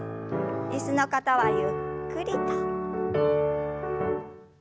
椅子の方はゆっくりと。